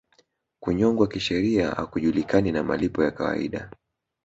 Kunyongwa kisheria hakujulikani na malipo ya kawaida